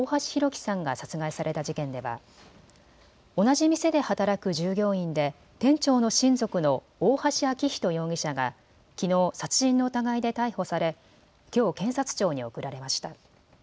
輝さんが殺害された事件では同じ店で働く従業員で店長の親族の大橋昭仁容疑者がきのう殺人の疑いで逮捕されきょう検察庁に送られました。